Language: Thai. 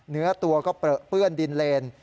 เนื้อตัวก็เปลือเปื้อนดินเลน